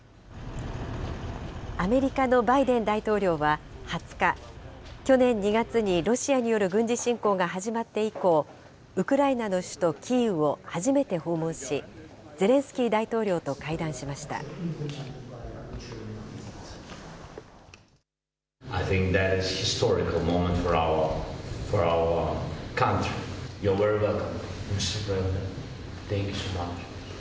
アメリカのバイデン大統領は２０日、去年２月にロシアによる軍事侵攻が始まって以降、ウクライナの首都キーウを初めて訪問し、ゼレンスキー大統領と会談しました。